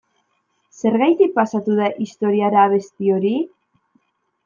Zergatik pasatu da historiara abesti hori?